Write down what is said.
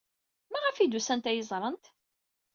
Maɣef ay d-usant ad iyi-ẓrent?